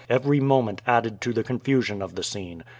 Every moment added to the confusion of the scene.